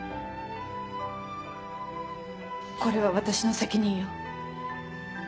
これは私の責任よ。